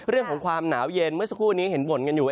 เรื่องของความหนาวเย็นเมื่อสักครู่นี้เห็นบ่นกันอยู่